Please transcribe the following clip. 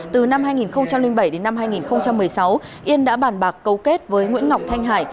từ năm hai nghìn bảy đến năm hai nghìn một mươi sáu yên đã bàn bạc cấu kết với nguyễn ngọc thanh hải